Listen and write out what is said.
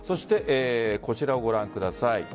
こちらをご覧ください。